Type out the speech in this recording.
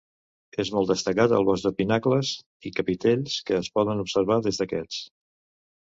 És molt destacat el bosc de pinacles i capitells que es poden observar des d'aquests.